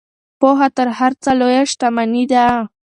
پوهه تر هر څه لویه شتمني ده.